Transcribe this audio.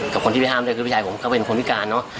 คนที่ไปห้ามด้วยคือพี่ชายผมก็เป็นคนพิการเนอะ